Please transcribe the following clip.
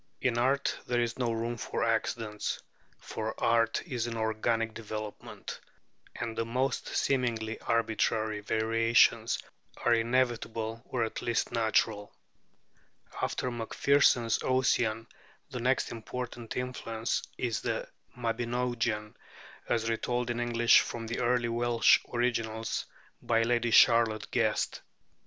In art there is no room for accidents: for art is an organic development, and the most seemingly arbitrary variations are inevitable or at least natural. After Macpherson's 'Ossian' the next important influence is the 'Mabinogion,' as retold in English from the early Welsh originals by Lady Charlotte Guest.